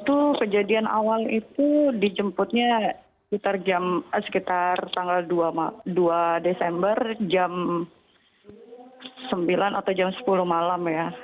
itu kejadian awal itu dijemputnya sekitar tanggal dua desember jam sembilan atau jam sepuluh malam ya